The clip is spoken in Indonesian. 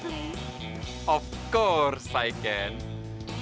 tentu saja saya bisa